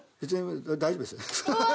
大丈夫ですよ。